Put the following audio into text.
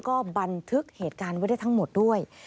ก็บันทึกเหตุการณ์ไว้ได้ทั้งหมดด้วย